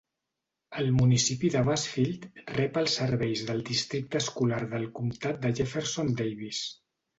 El municipi de Bassfield rep els serveis del districte escolar del comtat de Jefferson Davis.